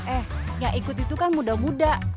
eh yang ikut itu kan muda muda